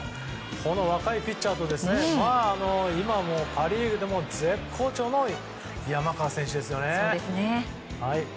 この若いピッチャーとパ・リーグでも絶好調の山川選手。